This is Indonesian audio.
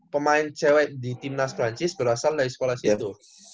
pemain cewek di timnas perancis berasal dari sekolah situ